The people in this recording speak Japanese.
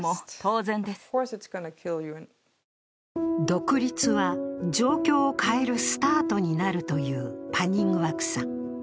独立は状況を変えるスタートになるというパニングワクさん。